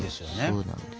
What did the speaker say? そうなんです。